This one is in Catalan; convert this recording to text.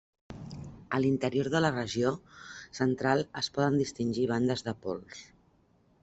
A l'interior de la regió central es poden distingir bandes de pols.